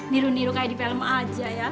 niru niru kayak di film aja ya